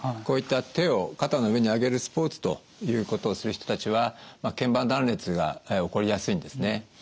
こういった手を肩の上に上げるスポーツということをする人たちは腱板断裂が起こりやすいんですね。